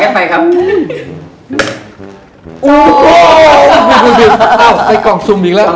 เอ้าเป็นกล่องซุมอีกแล้ว